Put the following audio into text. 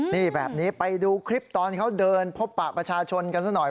นี่แบบนี้ไปดูคลิปตอนเขาเดินพบปะประชาชนกันซะหน่อย